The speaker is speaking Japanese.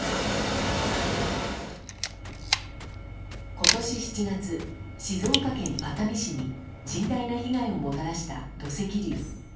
今年７月、静岡県熱海市に甚大な被害をもたらした土石流。